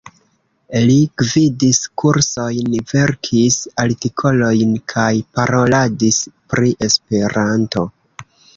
Li gvidis kursojn, verkis artikolojn kaj paroladis pri Esperanto.